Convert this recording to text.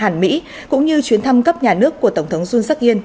đối với liên minh hàn mỹ cũng như chuyến thăm cấp nhà nước của tổng thống jun seok in